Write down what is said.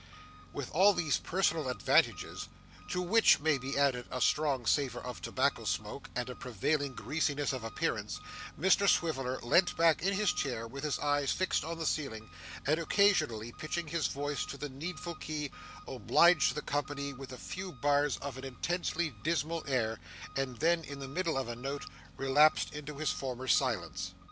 With all these personal advantages (to which may be added a strong savour of tobacco smoke, and a prevailing greasiness of appearance) Mr Swiveller leant back in his chair with his eyes fixed on the ceiling, and occasionally pitching his voice to the needful key, obliged the company with a few bars of an intensely dismal air, and then, in the middle of a note, relapsed into his former silence.